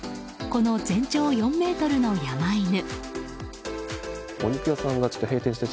この全長４ｍの山犬。